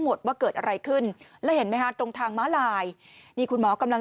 หมดว่าเกิดอะไรขึ้นแล้วเห็นไหมฮะตรงทางม้าลายนี่คุณหมอกำลัง